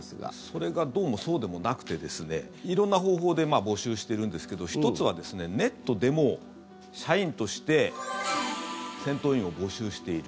それがどうもそうでもなくて色んな方法で募集してるんですけど１つはネットでも社員として戦闘員を募集している。